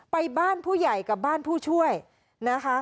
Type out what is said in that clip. ไปบ้านผู้ใหญ่กับบ้านผู้ช่วยนะคะ